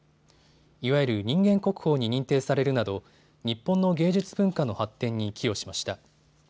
いわゆる人間国宝に認定されるなど日本の芸術文化の発展に寄与しました。